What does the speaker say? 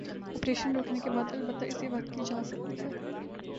Operation روکنے کی بات، البتہ اسی وقت کی جا سکتی ہے۔